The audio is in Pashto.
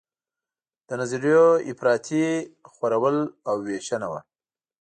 د نظریو افراطي خورول او ویشنه وه.